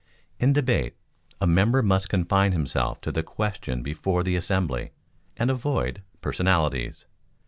In debate a member must confine himself to the question before the assembly, and avoid personalities.